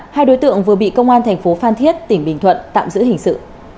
hai đối tượng vừa bị công an thành phố phan thiết tỉnh bình thuận tạm giữ hình sự